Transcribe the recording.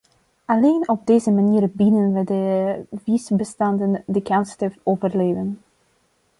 Alleen op deze manier bieden we de visbestanden de kans te overleven.